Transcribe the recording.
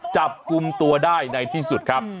จับกลุ่มตัวได้ในที่สุดครับ